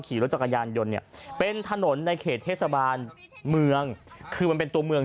ขี่รถจักรยานยนต์เนี่ยเป็นถนนในเขตเทศบาลเมืองคือมันเป็นตัวเมือง